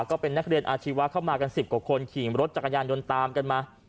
ก็เป็นนักเรียนอาชีวะเข้ามากัน๑๐กว่าคนขี่รถจักรยานยนต์ตามกันมา